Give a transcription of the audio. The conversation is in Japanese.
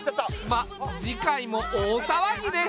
まっ次回も大騒ぎです。